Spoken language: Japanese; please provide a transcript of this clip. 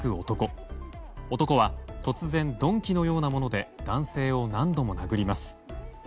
男は突然、鈍器のようなもので男性を何度も殴ります。